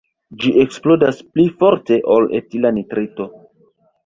Ĝi eksplodas pli forte ol etila nitrito.